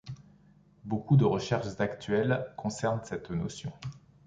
Beaucoup de recherches actuelles concernent cette notion.